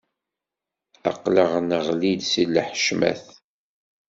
Aql-aɣ neɣli-d s lḥecmat.